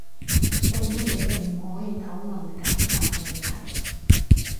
為乜嘢唔可以討論簡繁問題？